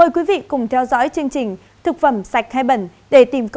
hãy đăng ký kênh để nhận thêm thông tin